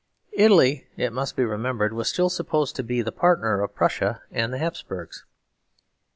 Italy, it must be remembered, was still supposed to be the partner of Prussia and the Hapsburgs.